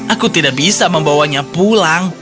aku tidak bisa membawanya pulang